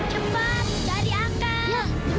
cepat dari akan